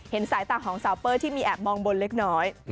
สายตาของสาวเป้ยที่มีแอบมองบนเล็กน้อย